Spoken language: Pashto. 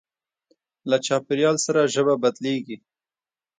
له چاپېریال سره ژبه بدلېږي.